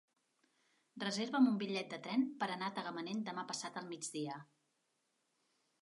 Reserva'm un bitllet de tren per anar a Tagamanent demà passat al migdia.